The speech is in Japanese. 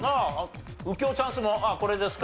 右京チャンスもこれですか？